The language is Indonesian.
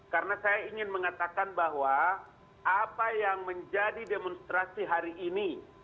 karena saya ingin mengatakan bahwa apa yang menjadi demonstrasi hari ini